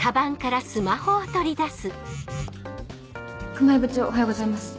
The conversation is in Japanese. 熊井部長おはようございます。